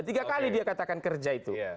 tiga kali dia katakan kerja itu